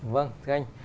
vâng thưa anh